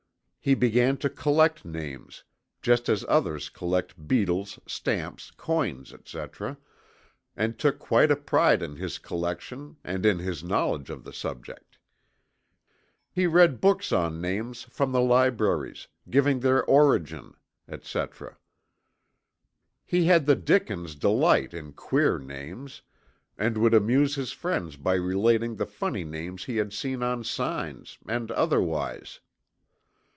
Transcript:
He began to collect names, just as others collect beetles, stamps, coins, etc., and took quite a pride in his collection and in his knowledge of the subject. He read books on names, from the libraries, giving their origin, etc. He had the Dickens' delight in "queer" names, and would amuse his friends by relating the funny names he had seen on signs, and otherwise.